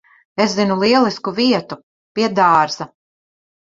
Es zinu lielisku vietu. Pie dārza.